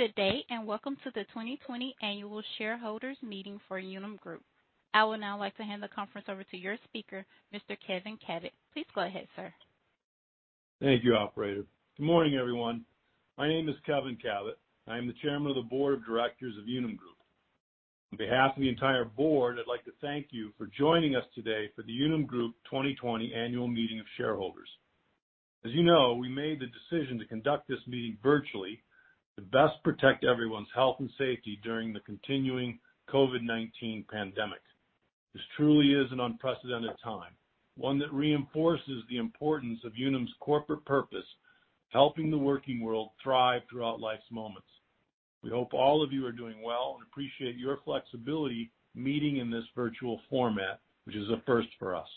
Good day, welcome to the 2020 Annual Shareholders Meeting for Unum Group. I would now like to hand the conference over to your speaker, Mr. Kevin Kabat. Please go ahead, sir. Thank you, operator. Good morning, everyone. My name is Kevin Kabat. I am the Chairman of the Board of Directors of Unum Group. On behalf of the entire board, I'd like to thank you for joining us today for the Unum Group 2020 Annual Meeting of Shareholders. As you know, we made the decision to conduct this meeting virtually to best protect everyone's health and safety during the continuing COVID-19 pandemic. This truly is an unprecedented time, one that reinforces the importance of Unum's corporate purpose, helping the working world thrive throughout life's moments. We hope all of you are doing well and appreciate your flexibility meeting in this virtual format, which is a first for us.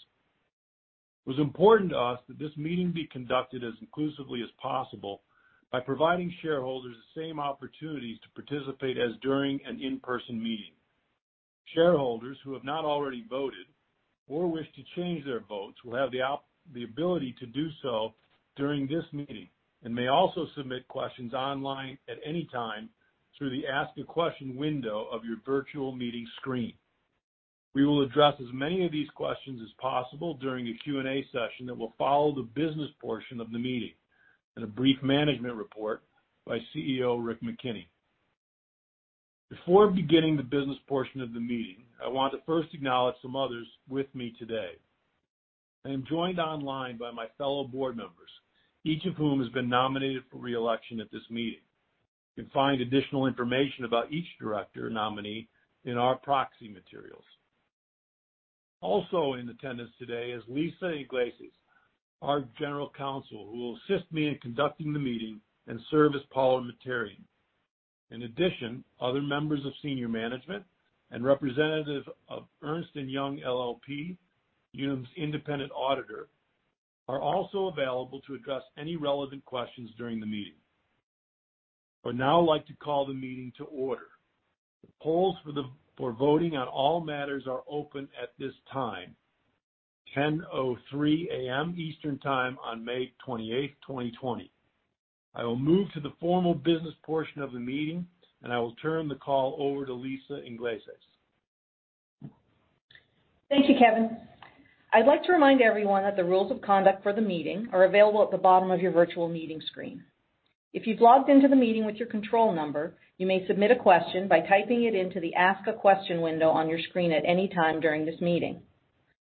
It was important to us that this meeting be conducted as inclusively as possible by providing shareholders the same opportunities to participate as during an in-person meeting. Shareholders who have not already voted or wish to change their votes will have the ability to do so during this meeting and may also submit questions online at any time through the Ask A Question window of your virtual meeting screen. We will address as many of these questions as possible during the Q&A session that will follow the business portion of the meeting, and a brief management report by CEO Rick McKenney. Before beginning the business portion of the meeting, I want to first acknowledge some others with me today. I am joined online by my fellow board members, each of whom has been nominated for re-election at this meeting. You can find additional information about each director nominee in our proxy materials. Also in attendance today is Lisa Iglesias, our General Counsel, who will assist me in conducting the meeting and serve as parliamentarian. In addition, other members of senior management and representative of Ernst & Young LLP, Unum's independent auditor, are also available to address any relevant questions during the meeting. I would now like to call the meeting to order. The polls for voting on all matters are open at this time, 10:03 AM Eastern Time on May 28th, 2020. I will turn the call over to Lisa Iglesias. Thank you, Kevin. I'd like to remind everyone that the rules of conduct for the meeting are available at the bottom of your virtual meeting screen. If you've logged into the meeting with your control number, you may submit a question by typing it into the Ask A Question window on your screen at any time during this meeting.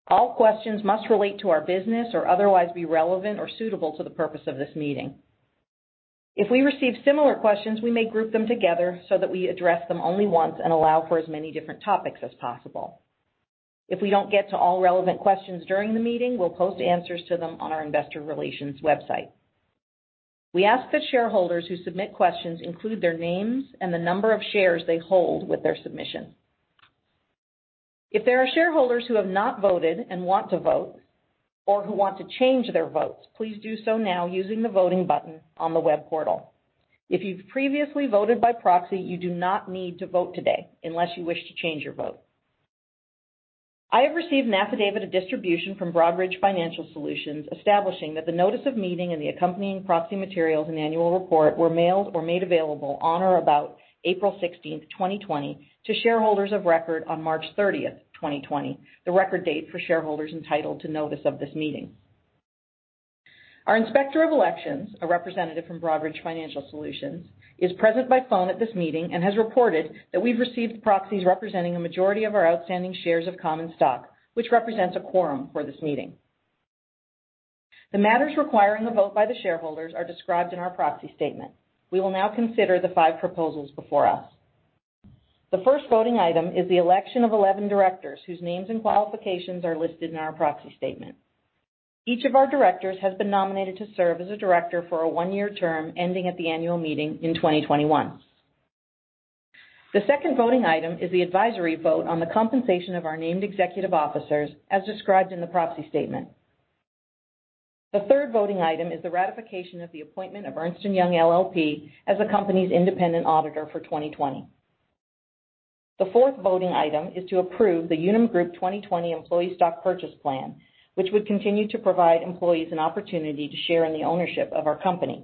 All questions must relate to our business or otherwise be relevant or suitable to the purpose of this meeting. If we receive similar questions, we may group them together so that we address them only once and allow for as many different topics as possible. If we don't get to all relevant questions during the meeting, we'll post answers to them on our investor relations website. We ask that shareholders who submit questions include their names and the number of shares they hold with their submission. If there are shareholders who have not voted and want to vote or who want to change their votes, please do so now using the voting button on the web portal. If you've previously voted by proxy, you do not need to vote today unless you wish to change your vote. I have received an affidavit of distribution from Broadridge Financial Solutions establishing that the notice of meeting and the accompanying proxy materials and annual report were mailed or made available on or about April 16th, 2020 to shareholders of record on March 30th, 2020, the record date for shareholders entitled to notice of this meeting. Our Inspector of Elections, a representative from Broadridge Financial Solutions, is present by phone at this meeting and has reported that we've received proxies representing a majority of our outstanding shares of common stock, which represents a quorum for this meeting. The matters requiring a vote by the shareholders are described in our proxy statement. We will now consider the five proposals before us. The first voting item is the election of 11 directors whose names and qualifications are listed in our proxy statement. Each of our directors has been nominated to serve as a director for a one-year term ending at the annual meeting in 2021. The second voting item is the advisory vote on the compensation of our named executive officers as described in the proxy statement. The third voting item is the ratification of the appointment of Ernst & Young LLP as the company's independent auditor for 2020. The fourth voting item is to approve the Unum Group 2020 Employee Stock Purchase Plan, which would continue to provide employees an opportunity to share in the ownership of our company.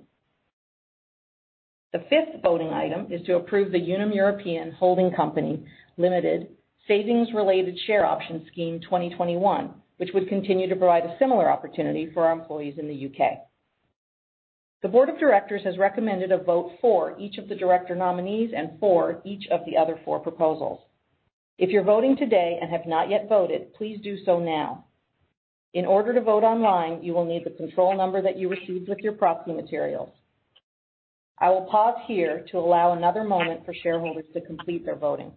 The fifth voting item is to approve the Unum European Holding Company Limited Savings-Related Share Option Scheme 2021, which would continue to provide a similar opportunity for our employees in the U.K. The board of directors has recommended a vote for each of the director nominees and for each of the other four proposals. If you're voting today and have not yet voted, please do so now. In order to vote online, you will need the control number that you received with your proxy materials. I will pause here to allow another moment for shareholders to complete their voting.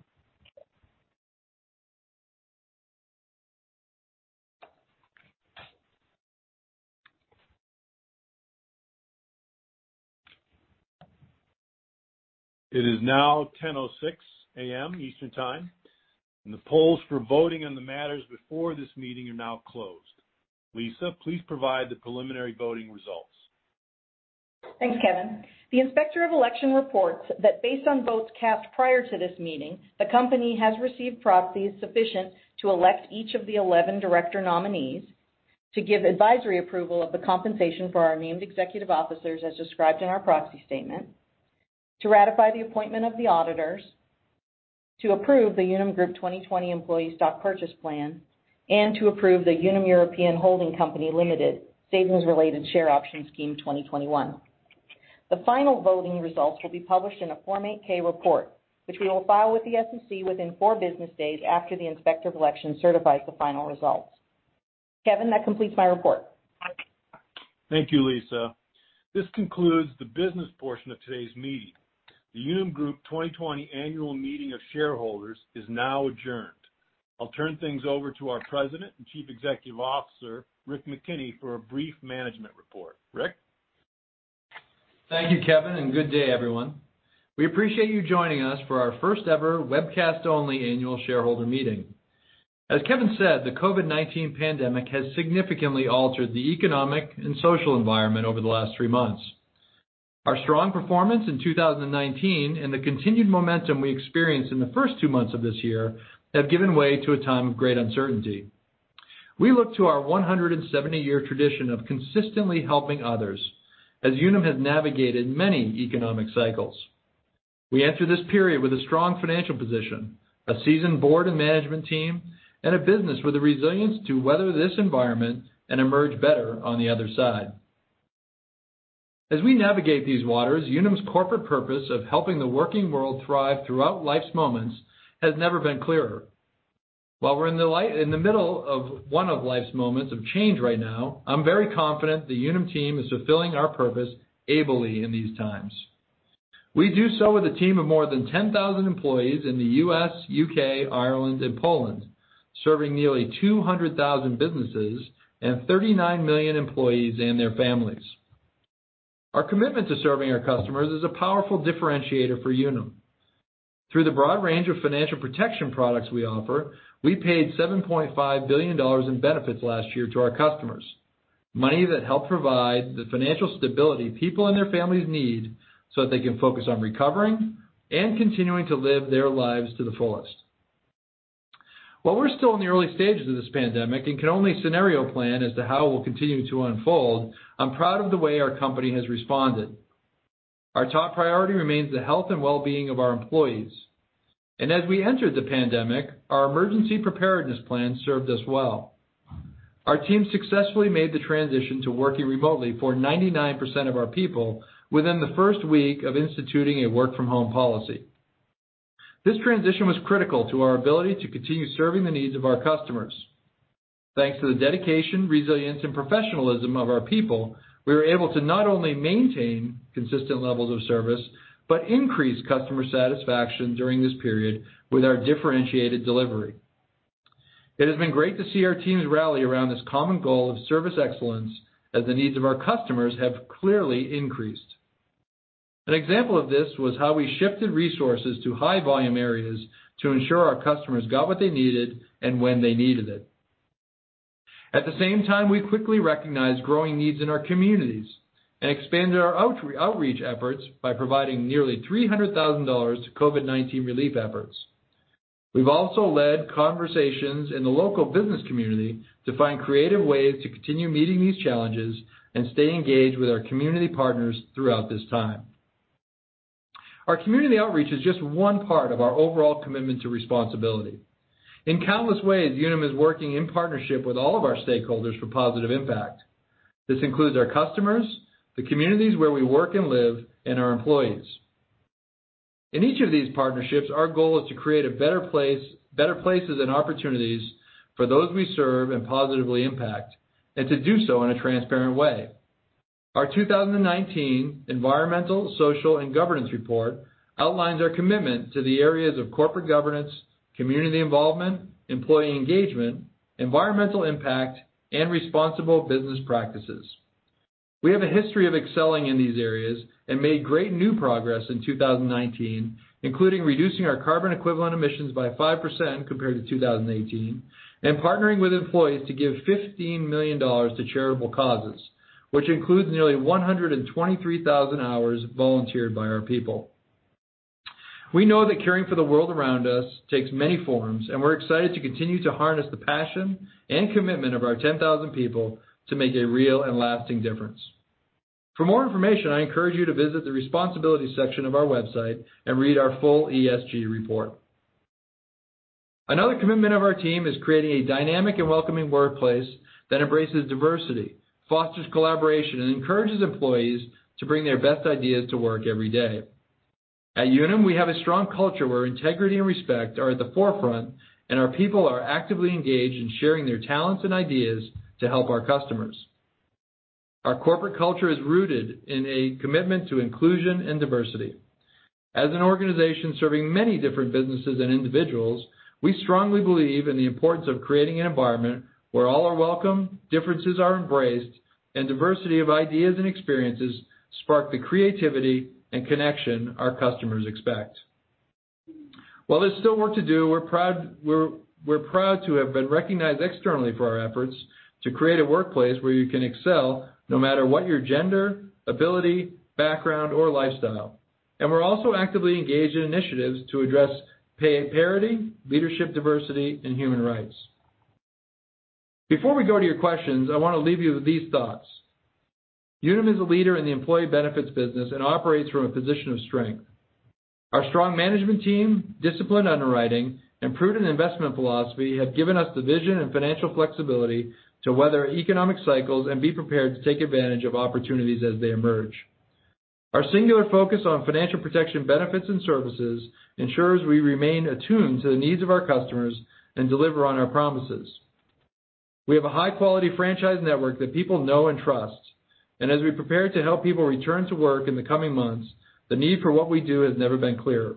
It is now 10:06 A.M. Eastern Time, and the polls for voting on the matters before this meeting are now closed. Lisa, please provide the preliminary voting results. Thanks, Kevin. The Inspector of Election reports that based on votes cast prior to this meeting, the company has received proxies sufficient to elect each of the 11 director nominees To give advisory approval of the compensation for our named executive officers as described in our proxy statement, to ratify the appointment of the auditors, to approve the Unum Group 2020 Employee Stock Purchase Plan, and to approve the Unum European Holding Company Limited Savings-Related Share Option Scheme 2021. The final voting results will be published in a Form 8-K report, which we will file with the SEC within four business days after the Inspector of Elections certifies the final results. Kevin, that completes my report. Thank you, Lisa. This concludes the business portion of today's meeting. The Unum Group 2020 Annual Meeting of Shareholders is now adjourned. I'll turn things over to our President and Chief Executive Officer, Richard McKenney, for a brief management report. Rick? Thank you, Kevin. Good day, everyone. We appreciate you joining us for our first ever webcast-only annual shareholder meeting. As Kevin said, the COVID-19 pandemic has significantly altered the economic and social environment over the last three months. Our strong performance in 2019 and the continued momentum we experienced in the first two months of this year have given way to a time of great uncertainty. We look to our 170-year tradition of consistently helping others as Unum has navigated many economic cycles. We enter this period with a strong financial position, a seasoned board and management team, and a business with the resilience to weather this environment and emerge better on the other side. As we navigate these waters, Unum's corporate purpose of helping the working world thrive throughout life's moments has never been clearer. While we're in the middle of one of life's moments of change right now, I'm very confident the Unum team is fulfilling our purpose ably in these times. We do so with a team of more than 10,000 employees in the U.S., U.K., Ireland, and Poland, serving nearly 200,000 businesses and 39 million employees and their families. Our commitment to serving our customers is a powerful differentiator for Unum. Through the broad range of financial protection products we offer, we paid $7.5 billion in benefits last year to our customers, money that helped provide the financial stability people and their families need so that they can focus on recovering and continuing to live their lives to the fullest. While we're still in the early stages of this pandemic and can only scenario plan as to how it will continue to unfold, I'm proud of the way our company has responded. Our top priority remains the health and wellbeing of our employees. As we entered the pandemic, our emergency preparedness plan served us well. Our team successfully made the transition to working remotely for 99% of our people within the first week of instituting a work-from-home policy. This transition was critical to our ability to continue serving the needs of our customers. Thanks to the dedication, resilience, and professionalism of our people, we were able to not only maintain consistent levels of service but increase customer satisfaction during this period with our differentiated delivery. It has been great to see our teams rally around this common goal of service excellence as the needs of our customers have clearly increased. An example of this was how we shifted resources to high-volume areas to ensure our customers got what they needed and when they needed it. At the same time, we quickly recognized growing needs in our communities and expanded our outreach efforts by providing nearly $300,000 to COVID-19 relief efforts. We've also led conversations in the local business community to find creative ways to continue meeting these challenges and stay engaged with our community partners throughout this time. Our community outreach is just one part of our overall commitment to responsibility. In countless ways, Unum is working in partnership with all of our stakeholders for positive impact. This includes our customers, the communities where we work and live, and our employees. In each of these partnerships, our goal is to create better places and opportunities for those we serve and positively impact, and to do so in a transparent way. Our 2019 Environmental, Social, and Governance report outlines our commitment to the areas of corporate governance, community involvement, employee engagement, environmental impact, and responsible business practices. We have a history of excelling in these areas and made great new progress in 2019, including reducing our carbon equivalent emissions by 5% compared to 2018 and partnering with employees to give $15 million to charitable causes, which includes nearly 123,000 hours volunteered by our people. We know that caring for the world around us takes many forms. We're excited to continue to harness the passion and commitment of our 10,000 people to make a real and lasting difference. For more information, I encourage you to visit the Responsibility section of our website and read our full ESG report. Another commitment of our team is creating a dynamic and welcoming workplace that embraces diversity, fosters collaboration, and encourages employees to bring their best ideas to work every day. At Unum, we have a strong culture where integrity and respect are at the forefront, and our people are actively engaged in sharing their talents and ideas to help our customers. Our corporate culture is rooted in a commitment to inclusion and diversity. As an organization serving many different businesses and individuals, we strongly believe in the importance of creating an environment where all are welcome, differences are embraced, and diversity of ideas and experiences spark the creativity and connection our customers expect. While there's still work to do, we're proud to have been recognized externally for our efforts to create a workplace where you can excel no matter what your gender, ability, background, or lifestyle. We're also actively engaged in initiatives to address pay parity, leadership diversity, and human rights. Before we go to your questions, I want to leave you with these thoughts. Unum is a leader in the employee benefits business and operates from a position of strength. Our strong management team, disciplined underwriting, and prudent investment philosophy have given us the vision and financial flexibility to weather economic cycles and be prepared to take advantage of opportunities as they emerge. Our singular focus on financial protection benefits and services ensures we remain attuned to the needs of our customers and deliver on our promises. We have a high-quality franchise network that people know and trust, as we prepare to help people return to work in the coming months, the need for what we do has never been clearer.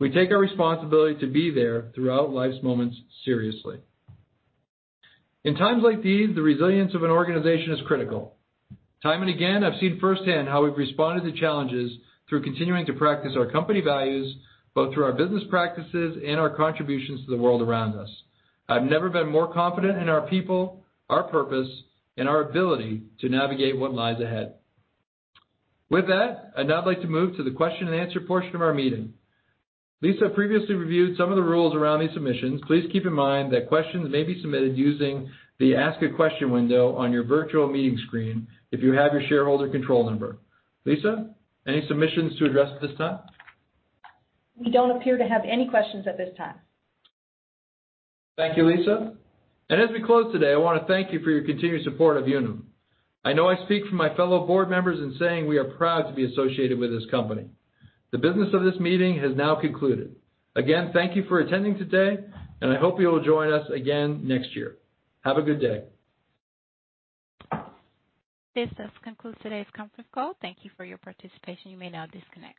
We take our responsibility to be there throughout life's moments seriously. In times like these, the resilience of an organization is critical. Time and again, I've seen firsthand how we've responded to challenges through continuing to practice our company values, both through our business practices and our contributions to the world around us. I've never been more confident in our people, our purpose, and our ability to navigate what lies ahead. With that, I'd now like to move to the question and answer portion of our meeting. Lisa previously reviewed some of the rules around these submissions. Please keep in mind that questions may be submitted using the Ask a Question window on your virtual meeting screen if you have your shareholder control number. Lisa, any submissions to address at this time? We don't appear to have any questions at this time. Thank you, Lisa. As we close today, I want to thank you for your continued support of Unum. I know I speak for my fellow board members in saying we are proud to be associated with this company. The business of this meeting has now concluded. Again, thank you for attending today, and I hope you will join us again next year. Have a good day. This does conclude today's conference call. Thank you for your participation. You may now disconnect.